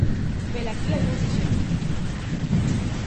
Velaquí algúns exemplos.